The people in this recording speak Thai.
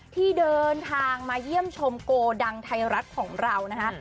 ที่เดินทางมาเยี่ยมชมโกดังไทยรัฐของเรานะฮะ